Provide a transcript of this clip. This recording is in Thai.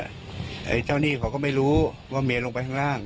ไอ้เจ้าหนี้เขาก็ไม่รู้ว่าเมียลงไปข้างล่าง